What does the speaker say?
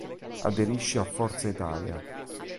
Aderisce a Forza Italia.